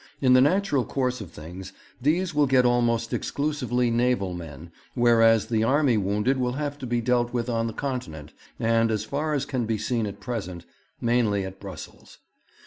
In the natural course of things these will get almost exclusively naval men, whereas the army wounded will have to be dealt with on the Continent, and, as far as can be seen at present, mainly at Brussels.